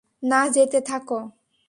না, যেতে থাকো।